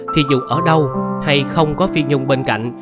thì dù ở đâu hay không có phi nhung bên cạnh